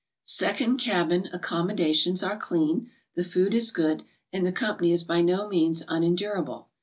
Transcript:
Second cabin accommodations are clean, the food is good, and the company is by no means unendurable.